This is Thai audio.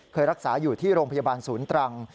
เคยรักษาอยู่ที่โรงพยาบาลศูนย์ตรัง